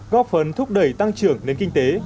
góp phần thúc đẩy tăng trưởng đến kinh tế